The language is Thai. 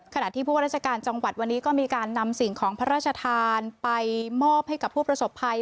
ขณะที่ผู้ว่าราชการจังหวัดวันนี้ก็มีการนำสิ่งของพระราชทานไปมอบให้กับผู้ประสบภัย